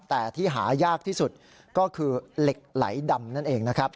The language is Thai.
แต่ที่หายากที่สุดก็คือเหล็กไหลดำนั่นเองนะครับ